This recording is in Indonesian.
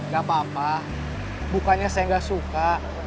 gak apa apa bukannya saya nggak suka